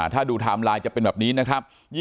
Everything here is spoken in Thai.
ถ้าดูไทม์ไลน์จะเป็นแบบนี้นะครับ